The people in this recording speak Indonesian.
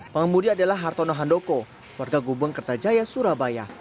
pengemudi adalah hartono handoko warga gubeng kertajaya surabaya